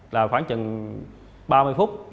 là khoảng chừng ba mươi phút